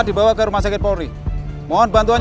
tidak pernah sekuatir ini din